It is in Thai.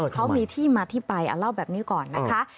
เขามีที่มาที่ไปเอาเล่าแบบนี้ก่อนนะคะ